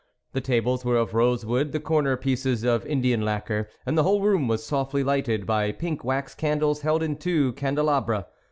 The tables were of rose wood ; the corner pieces of Indian lacquer ; and the whole room was softly lighted by pink wax candles held in two candelabra.